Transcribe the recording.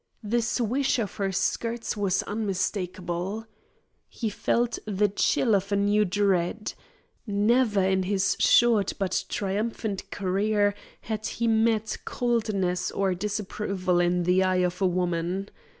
The swish of her skirts was unmistakable. He felt the chill of a new dread. Never in his short but triumphant career had he met coldness or disapproval in the eye of a woman.